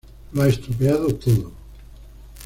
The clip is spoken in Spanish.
Lo ha estropeado todo.